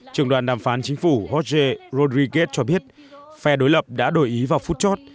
trường đoàn đàm phán chính phủ jorge rodríguez cho biết phe đối lập đã đổi ý vào phút chót